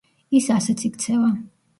ის ასეც იქცევა.